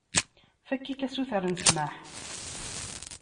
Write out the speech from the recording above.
Fakk-ik asuter n ssmaḥ.